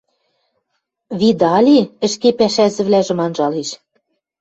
— Видали?! — ӹшке пӓшӓзӹвлӓжӹм анжалеш.